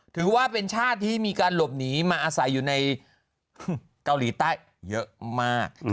ถือว่าเป็นชาติที่มีการหลบหนีมาอาศัยอยู่ในเกาหลีใต้เยอะมาก